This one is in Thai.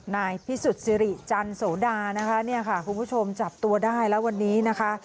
นายพิสุทธิ์สิริจันทร์โสดาคุณผู้ชมจับตัวได้แล้ววันนี้นะคะ